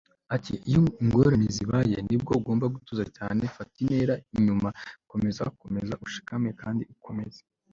ati: iyo ingorane zibaye, nibwo ugomba gutuza cyane. fata intera inyuma, komera, komeza ushikame kandi ukomeze